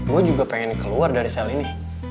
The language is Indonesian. gue juga pengen keluar dari sel ini